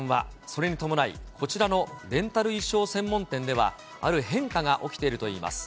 それに伴い、こちらのレンタル衣装専門店では、ある変化が起きているといいます。